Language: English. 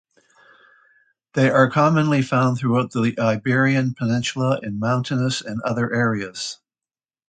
They are commonly found throughout the Iberian peninsula in mountainous and other areas.